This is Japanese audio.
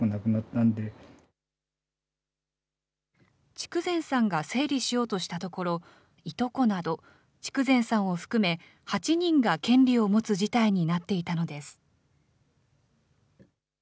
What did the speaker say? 筑前さんが整理しようとしたところ、いとこなど、筑前さんを含め、８人が権利を持つ事態になっていたのです。